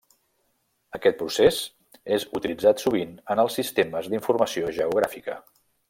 Aquest procés és utilitzat sovint en els Sistemes d'Informació Geogràfica.